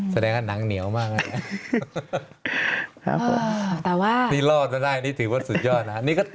แสดงว่าหนังเหนียวมากเลยนี่รอดมาได้นี่ถือว่าสุดยอดนะครับ